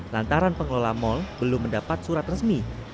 lantaran pengelola mal belum mendapat surat resmi